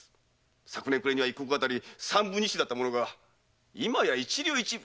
昨年暮れには一石あたり三分二朱だったものが今や一両一分。